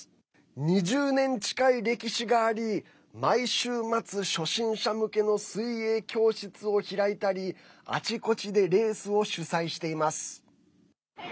２０年近い歴史があり、毎週末初心者向けの水泳教室を開いたりあちこちでレースを主催しています。